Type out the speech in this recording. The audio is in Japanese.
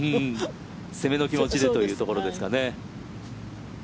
攻めの気持ちでというところですかね。